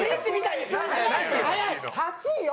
８位よ？